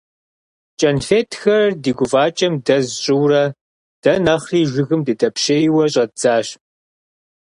КӀэнфетхэр ди гуфӀакӀэм дэз тщӀыурэ, дэ нэхъри жыгым дыдэпщейуэ щӀэддзащ.